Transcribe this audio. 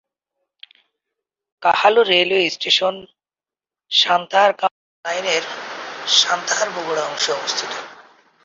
Kahalu railway station সান্তাহার-কাউনিয়া লাইনের সান্তাহার-বগুড়া অংশে অবস্থিত।